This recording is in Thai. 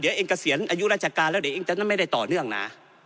เดี๋ยวเองเกษียณอายุราชการแล้วเดี๋ยวเองจะได้ไม่ได้ต่อเนื่องนะ